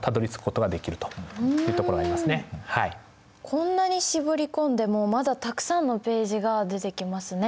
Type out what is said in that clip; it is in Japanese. こんなに絞り込んでもまだたくさんのページが出てきますね。